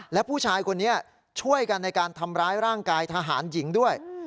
และผู้ชายคนนี้ช่วยกันในการทำร้ายร่างกายทหารหญิงด้วย